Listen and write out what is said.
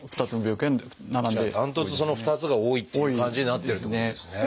じゃあ断トツその２つが多いっていう感じになってるってことですね。